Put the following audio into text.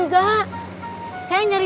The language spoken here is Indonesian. gak ada yang kabur